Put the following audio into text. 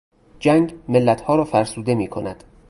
جنگ ملتها را فرسوده میکند.